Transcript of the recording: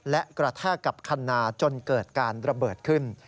และกระแทกกับคันนาจนเกิดการระเบิดขึ้น